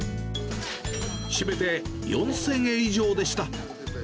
締めて４０００円以上でした。